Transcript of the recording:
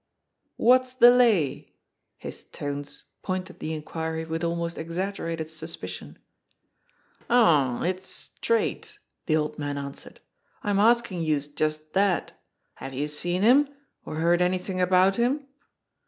"What's the lay?" His tones pointed the inquiry with almost exaggerated suspicion. "Aw, it's straight!" the old man answered. "I'm askin' youse just dat. Have youse seen him, or heard anythin* about him?"